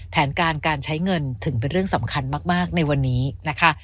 แผนการการใช้เงินถึงเป็นเรื่องสำคัญมากในวันนี้นะคะ